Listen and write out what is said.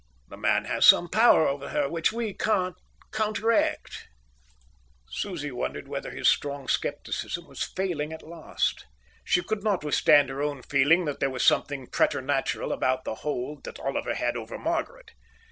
The man has some power over her which we can't counteract." Susie wondered whether his strong scepticism was failing at last. She could not withstand her own feeling that there was something preternatural about the hold that Oliver had over Margaret.